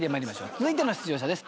続いての出場者です。